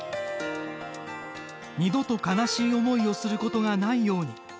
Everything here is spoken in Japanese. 二度と悲しい思いをすることがないように。